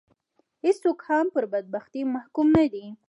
هېڅوک هم پر بدبختي محکوم نه دي.